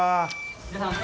いらっしゃいませ。